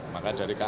maka dari ka